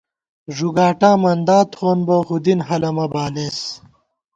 ݫُگاٹا مندا تھووُس بہ ہُدِن ہَلہ مہ بالېس